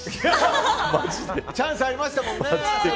チャンスありましたもんね。